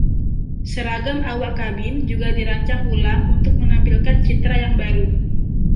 Seragam awak kabin juga dirancang ulang untuk menampilkan citra yang baru.